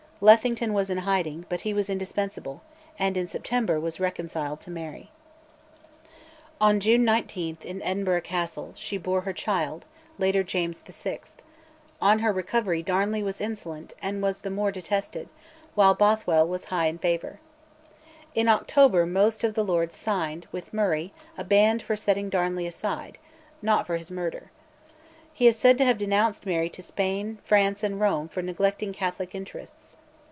Lethington was in hiding; but he was indispensable, and in September was reconciled to Mary. On June 19, in Edinburgh Castle, she bore her child, later James VI.; on her recovery Darnley was insolent, and was the more detested, while Bothwell was high in favour. In October most of the Lords signed, with Murray, a band for setting Darnley aside not for his murder. He is said to have denounced Mary to Spain, France, and Rome for neglecting Catholic interests.